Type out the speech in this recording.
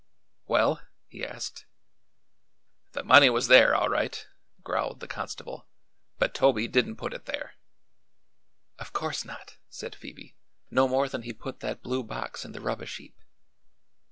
"Well?" he asked. "The money was there, all right," growled the constable; "but Toby didn't put it there." "Of course not," said Phoebe; "no more than he put that blue box in the rubbish heap."